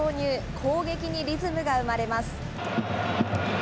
攻撃にリズムが生まれます。